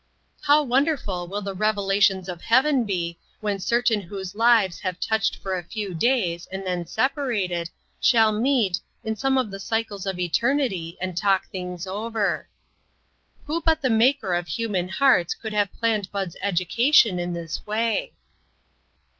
How wonderful will the revelations of heaven be, when certain whose lives have touched for a few days and then separated, BUD IN SEARCH OF COMFORT. 2/5 shall meet, in some of the cycles of eternity, and talk things over! Who but the Maker of human hearts could have planned Bud's education in this way?